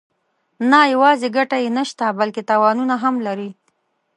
نه یوازې ګټه یې نشته بلکې تاوانونه هم لري.